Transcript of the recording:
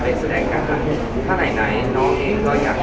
ถ้าไหนน้องเองเราอยากจะช่วยคุณเนี่ยมาก